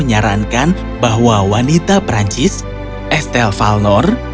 ternyata toko menarankan bahwa wanita perancis estelle falnor